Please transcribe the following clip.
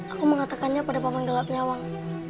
aku mengatakannya pada papan gelap nyawang